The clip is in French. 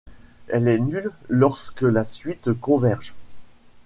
Elle est nulle lorsque la suite converge.